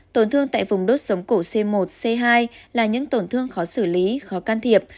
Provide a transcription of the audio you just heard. tổn thương tại vùng đốt sống cổ c một c hai là những tổn thương khó xử lý khó can thiệp